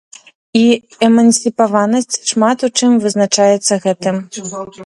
І эмансіпаванасць шмат у чым вызначаецца гэтым.